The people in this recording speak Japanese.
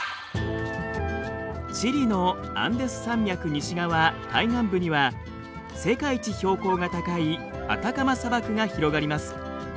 チリのアンデス山脈西側海岸部には世界一標高が高いアタカマ砂漠が広がります。